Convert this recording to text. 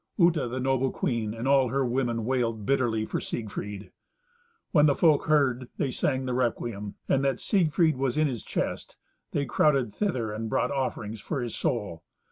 Uta, the noble queen and all her women wailed bitterly for Siegfried. When the folk heard they sang the requiem, and that Siegfried was in his chest, they crowded thither, and brought offerings for his soul.